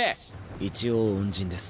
一応恩人です。